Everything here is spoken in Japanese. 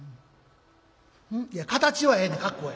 「いや形はええねん格好は。